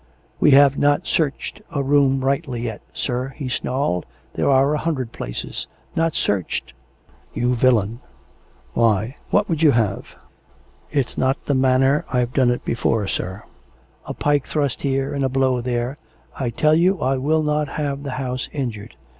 " We have not searched a room rightly yet, sir," he snarled. " There are a hundred places "" Not searched ! You villain ! Why, what would you have.?" " It's not the manner I've done it before, sir. A pike thrust here, and a blow there "" I tell you I will not have the house injured